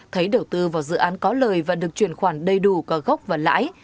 thấy đầu tư vào dự án có lời và được chuyển khoản đầy đủ có gốc và lãi